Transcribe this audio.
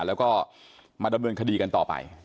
แล้วก็มาดำเนินคดีกันต่อไป